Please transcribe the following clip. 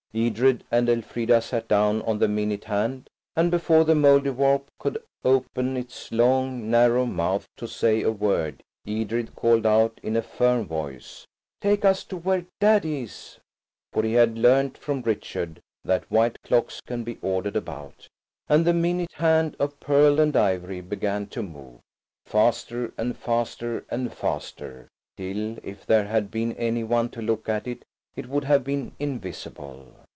Edred and Elfrida sat down on the minute hand, and before the Mouldiwarp could open its long, narrow mouth to say a word Edred called out in a firm voice, "Take us to where Daddy is;" for he had learned from Richard that white clocks can be ordered about. "THEY ALL JUMPED ON THE WHITE CLOCK." And the minute hand of pearl and ivory began to move, faster and faster and faster, till if there had been any one to look at it, it would have been invisible.